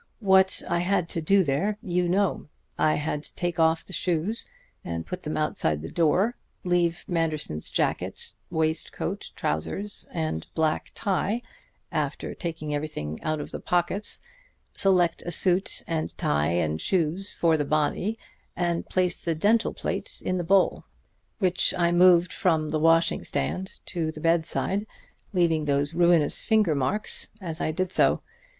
"What I had to do there you know. I had to take off the shoes and put them outside the door, leave Manderson's jacket, waistcoat, trousers and black tie, after taking everything out of the pockets, select a suit and tie and shoes for the body, and place the dental plate in the bowl, which I moved from the washing stand to the bedside, leaving those ruinous finger marks as I did so.